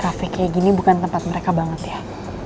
kafe kayak gini bukan tempat mereka banget ya